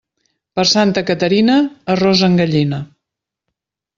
Per Santa Caterina, arròs en gallina.